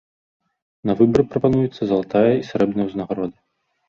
На выбар прапануецца залатая і срэбная ўзнагароды.